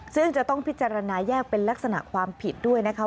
ซึ่งจะต้องพิจารณาแยกเป็นลักษณะความผิดด้วยนะคะ